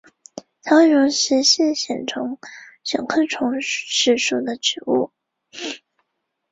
西安河畔厄盖维尔。